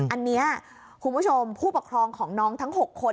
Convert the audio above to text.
อันนี้คุณผู้ชมผู้ปกครองของน้องทั้ง๖คน